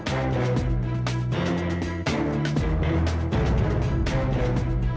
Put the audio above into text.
aku mau berjalan